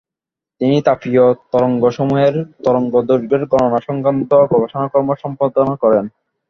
তিনি তাপীয় তরঙ্গসমূহের তরঙ্গদৈর্ঘ্যের গণনা সংক্রান্ত গবেষণাকর্ম সম্পাদন করেন।